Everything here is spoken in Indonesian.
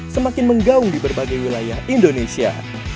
semakin menggaung di berbagai wilayah indonesia